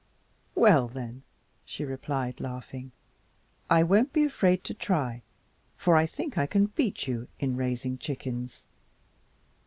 "Well, then," she replied, laughing, "I won't be afraid to try, for I think I can beat you in raising chickens.